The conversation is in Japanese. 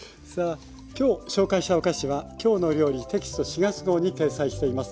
今日紹介したお菓子は「きょうの料理」テキスト４月号に掲載しています。